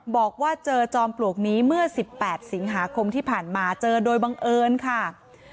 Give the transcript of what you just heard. บอกว่าเจอจอมปลวกนี้เมื่อ๑๘สิงหาคมที่ผ่านมาเจอโดยบังเอิญค่ะ